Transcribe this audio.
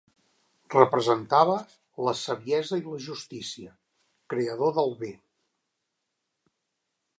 Representava la saviesa i la justícia, creador del bé.